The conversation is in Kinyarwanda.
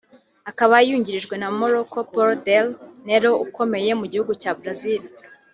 akaba yungirijwe na Marco Polo Del Nero ukomoka mu gihugu cya Brazil